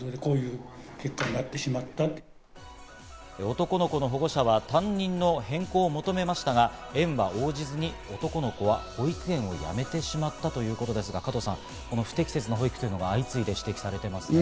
男の子の保護者は担任の変更を求めましたが、園は応じずに男の子は保育園を辞めてしまったということですが、加藤さん、この不適切な保育が相次いで指摘されていますが。